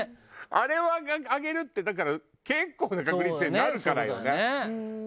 あれをあげるってだから結構な確率でなるからよね。